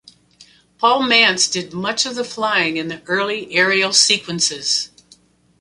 Paul Mantz did much of the flying in the early aerial sequences.